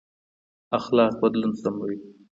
اخلاق بدلون سموي.